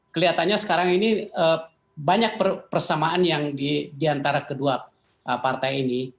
kelihatannya sekarang ini banyak persamaan yang diantara kedua partai ini